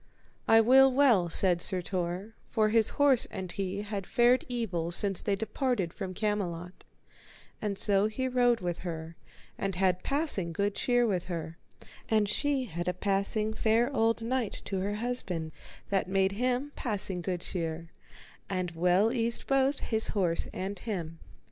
I will well, said Sir Tor, for his horse and he had fared evil since they departed from Camelot, and so he rode with her, and had passing good cheer with her; and she had a passing fair old knight to her husband that made him passing good cheer, and well eased both his horse and him.